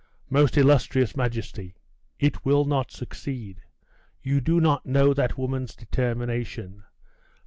'Most illustrious majesty it will not succeed. You do not know that woman's determination.